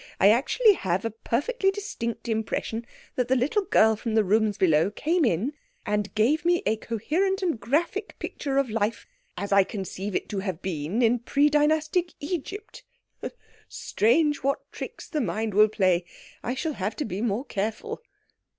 I actually have a perfectly distinct impression that the little girl from the rooms below came in and gave me a coherent and graphic picture of life as I conceive it to have been in pre dynastic Egypt. Strange what tricks the mind will play! I shall have to be more careful."